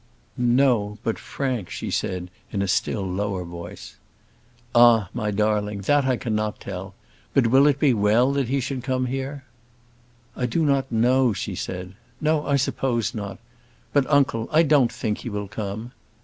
"No; but Frank," she said, in a still lower voice. "Ah! my darling, that I cannot tell; but will it be well that he should come here?" "I do not know," she said. "No, I suppose not. But, uncle, I don't think he will come."